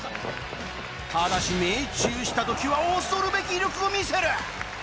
ただし命中した時は恐るべき威力を見せる！